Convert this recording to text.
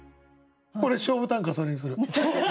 俺勝負短歌それにする。